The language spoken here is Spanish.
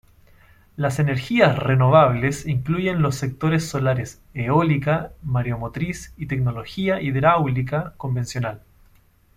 Las energías renovables incluyen los sectores solares, eólica, mareomotriz, y tecnología hidráulica convencional.